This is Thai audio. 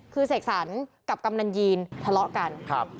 คือเสกสรรกับกำนันยีนทะเลาะกันครับ